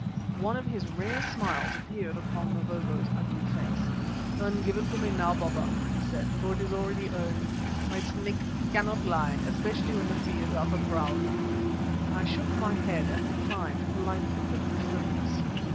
One of his rare smiles appeared upon Mavovo's ugly face. "Then give it to me now, Baba," he said, "for it is already earned. My Snake cannot lie especially when the fee is half a crown." I shook my head and declined, politely but with firmness.